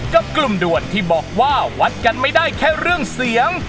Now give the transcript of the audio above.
กับกลุ่มด่วนที่บอกว่าวัดกันไม่ได้แค่เรื่องเสียง